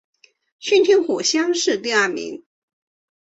顺天府乡试第二名。